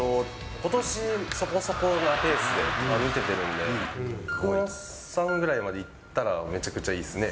ことし、そこそこなペースで打ててるんで、福本さんぐらいまでいったら、めちゃくちゃいいですね。